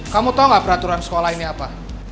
kamu tau gak peraturan sekolah ini apa